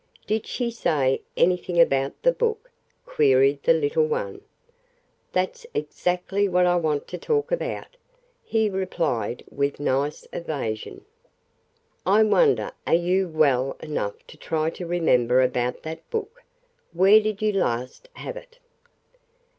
"Did she say anything about the book?" queried the little one. "That's exactly what I want to talk about," he replied with nice evasion. "I wonder are you well enough to try to remember about that book. Where did you last have it?"